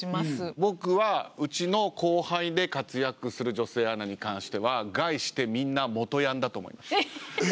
僕はうちの後輩で活躍する女性アナに関しては概してみんな元ヤンだと思います。